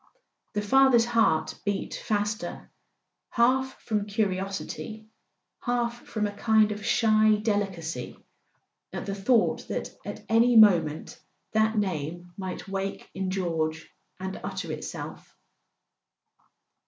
.. The father's heart beat faster, half from curiosity, half from a kind of shy del¬ icacy, at the thought that at any moment that name might wake in George and utter itself.